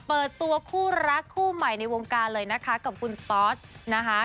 เปิดตัวคู่รักคู่ใหม่ในวงการเลยนะคะกับคุณตอสนะคะ